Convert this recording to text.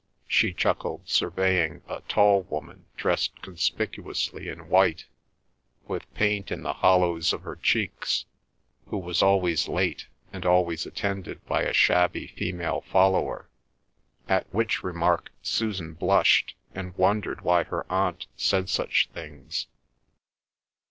she chuckled, surveying a tall woman dressed conspicuously in white, with paint in the hollows of her cheeks, who was always late, and always attended by a shabby female follower, at which remark Susan blushed, and wondered why her aunt said such things.